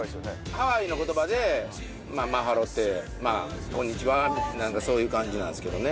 ハワイのことばで、マハロって、こんにちは、なんかそういう感じなんですけどね。